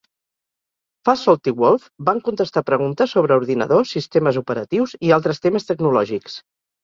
Fasoldt i Wolf van contestar preguntes sobre ordinadors, sistemes operatius i altres temes tecnològics.